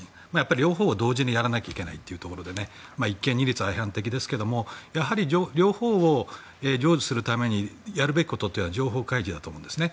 両方を同時にやらないといけないということで一見、二律背反的ですが両方を成就するためにやるべきことは情報開示だと思うんですね。